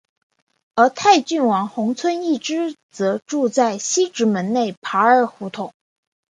而泰郡王弘春一支则住在西直门内扒儿胡同。